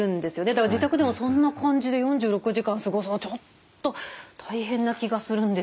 だから自宅でもそんな感じで４６時間過ごすのちょっと大変な気がするんですけど。